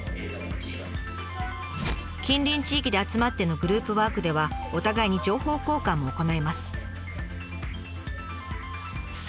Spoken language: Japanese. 近隣地域で集まってのグループワークではお互いに情報交換も行います。